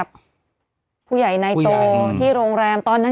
แต่หนูจะเอากับน้องเขามาแต่ว่า